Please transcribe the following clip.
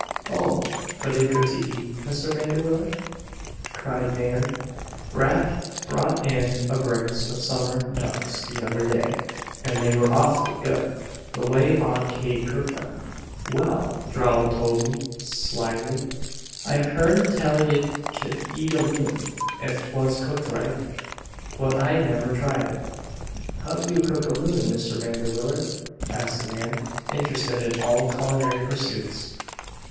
"Oh! Are they good to eat, Mr. Vanderwiller?" cried Nan. "Rafe brought in a brace of summer ducks the other day, and they were awfully good, the way Aunt Kate cooked them." "Well!" drawled Toby, slyly, "I've hearn tell ye c'd eat a loon, ef 'twas cooked right. But I never tried it." "How do you cook a loon, Mr. Vanderwiller?" asked Nan, interested in all culinary pursuits.